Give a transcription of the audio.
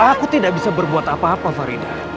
aku tidak bisa berbuat apa apa farida